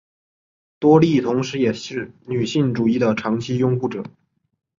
多莉同时也是女性主义的长期拥护者。